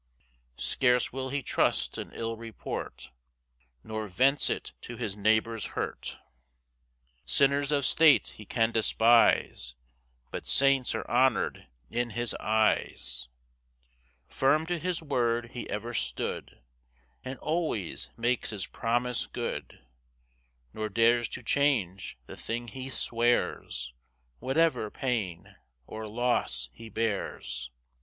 3 [Scarce will he trust an ill report, Nor vents it to his neighbour's hurt: Sinners of state he can despise, But saints are honour'd in his eyes.] 4 [Firm to his word he ever stood, And always makes his promise good; Nor dares to change the thing he swears, Whatever pain or loss he bears.